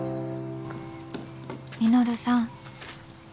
「稔さん。